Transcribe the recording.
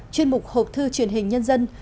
chuyên mục hộp thư truyền hình nhân dân